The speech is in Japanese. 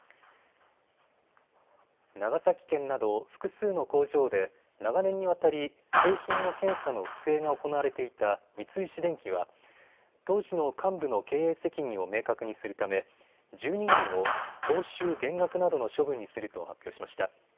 長崎県など複数の工場で長年にわたり製品の検査の不正が行われていた三菱電機は当時の幹部の経営責任を明確にするため１２人を報酬減額などの処分にすると発表しました。